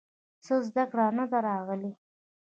څۀ ذکر نۀ دے راغلے